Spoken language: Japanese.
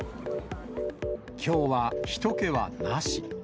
きょうはひと気はなし。